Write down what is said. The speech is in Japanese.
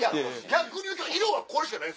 逆にいうと色はこれしかない？